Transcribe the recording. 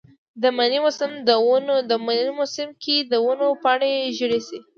د منې موسم کې د ونو پاڼې ژیړې شي.